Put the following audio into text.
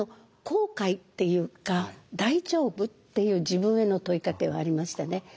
後悔っていうか「大丈夫？」っていう自分への問いかけはありましたね。